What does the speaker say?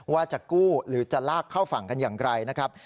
ว่าจะกู้หรือจะลากเข้าฝั่งกันอย่างไรนะครับ